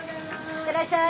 行ってらっしゃい。